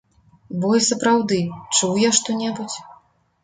Бо і сапраўды, чуў я што-небудзь?